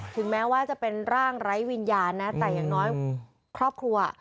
ถึงแม้ว่าจะเป็นร่างไร้วิญญาณนะแต่อย่างน้อยครอบครัว